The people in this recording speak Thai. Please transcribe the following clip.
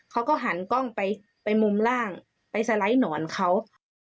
เขาก็หันกล้องไปมุมล่างไปสไลด์หนอนเขา